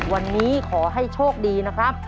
วันนี้ขอให้โชคดีนะครับ